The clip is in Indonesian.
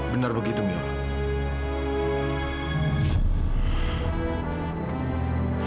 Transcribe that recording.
benar begitu mila